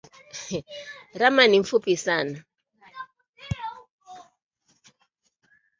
Rahma ni mfupi sana